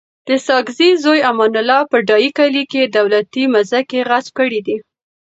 د ساګزی زوی امان الله په ډایی کلی کي دولتي مځکي غصب کړي دي